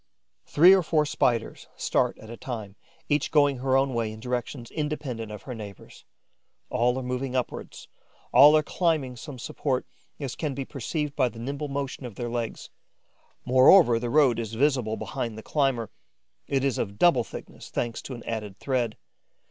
Three or four Spiders start at a time, each going her own way in directions independent of her neighbours'. All are moving upwards, all are climbing some support, as can be perceived by the nimble motion of their legs. Moreover, the road is visible behind the climber, it is of double thickness, thanks to an added thread.